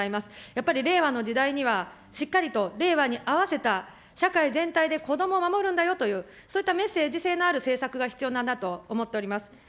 やっぱり令和の時代には、しっかりと令和に合わせた社会全体で子どもを守るんだよという、そういったメッセージ性のある政策が必要だなと思っております。